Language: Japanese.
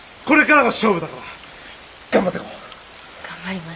これからが勝負だから。